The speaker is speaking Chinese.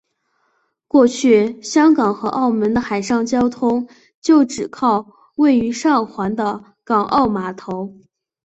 过去香港和澳门的海上交通就只靠位于上环的港澳码头。